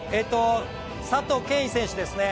佐藤恵允選手ですね。